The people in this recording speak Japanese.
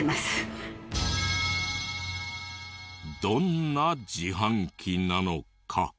どんな自販機なのか。